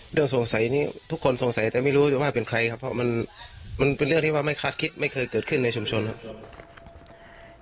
สงสัยนี้ทุกคนสงสัยแต่ไม่รู้ว่าเป็นใครครับเพราะมันเป็นเรื่องที่ว่าไม่คาดคิดไม่เคยเกิดขึ้นในชุมชนครับ